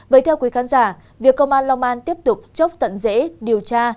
vậy theo quý khán giả việc công an long an tiếp tục chốc tận dễ điều tra